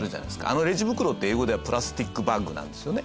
あのレジ袋って英語ではプラスチックバッグなんですよね。